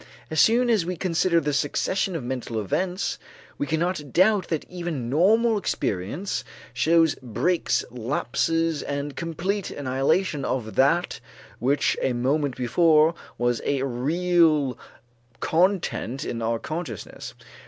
As soon as we consider the succession of mental events, we cannot doubt that even normal experience shows breaks, lapses, and complete annihilation of that which a moment before was a real content in our consciousness.